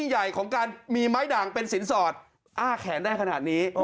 ใหญ่ของการมีไม้ด่างเป็นสินสอดอ้าแขนได้ขนาดนี้